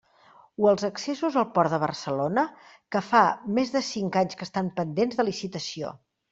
O els accessos al Port de Barcelona, que fa més de cinc anys que estan pendents de licitació.